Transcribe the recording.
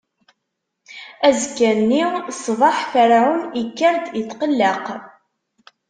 Azekka-nni ṣṣbeḥ, Ferɛun ikker-d itqelleq.